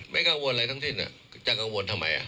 ไม่กังวลอะไรทั้งสิ้นจะกังวลทำไม